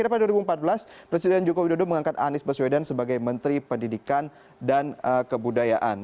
pada dua ribu empat belas presiden joko widodo mengangkat anies baswedan sebagai menteri pendidikan dan kebudayaan